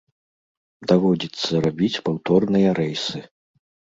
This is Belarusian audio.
Даводзіцца рабіць паўторныя рэйсы.